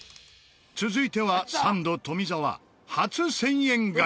続いてはサンド富澤初１０００円ガチャ。